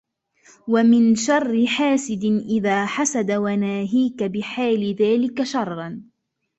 وَمِنْ شَرِّ حَاسِدٍ إذَا حَسَدَ وَنَاهِيكَ بِحَالِ ذَلِكَ شَرًّا